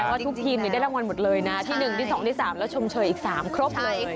ว่าทุกทีมได้รางวัลหมดเลยนะที่๑ที่๒ที่๓แล้วชมเฉยอีก๓ครบเลย